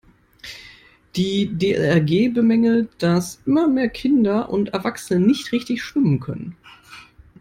Die DLRG bemängelt, dass immer mehr Kinder und Erwachsene nicht richtig schwimmen können.